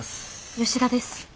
吉田です。